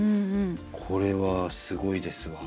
これはすごいですわ。